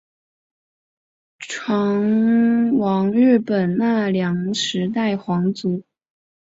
船王日本奈良时代皇族。